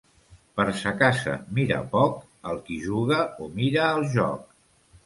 Per sa casa mira poc el qui juga o mira el joc.